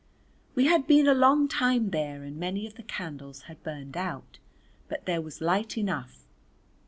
We had been a long time there and many of the candles had burned out, but there was light enough.